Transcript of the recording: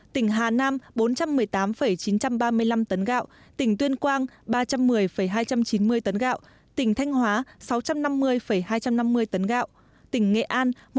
tỉnh hà nam bốn trăm một mươi tám chín trăm ba mươi năm tấn gạo tỉnh tuyên quang ba trăm một mươi hai trăm chín mươi tấn gạo tỉnh thanh hóa sáu trăm năm mươi hai trăm năm mươi tấn gạo tỉnh nghệ an